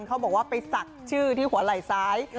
เขาบอกว่าไปศักดิ์ชื่อที่หัวไหล่ซ้าย